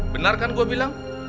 benar kan gua bilang